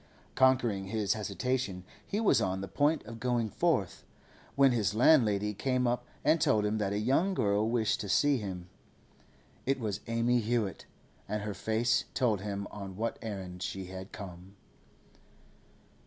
Conquering his hesitation, he was on the point of going forth, when his landlady came up and told him that a young girl wished to see him. It was Amy Hewett, and her face told him on what errand she had come.